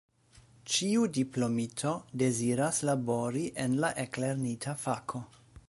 Ĉiu diplomito deziras labori en la eklernita fako.